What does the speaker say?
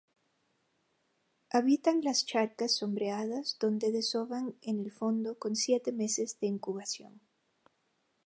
Habitan las charcas sombreadas, donde desovan en el fondo, con siete meses de incubación.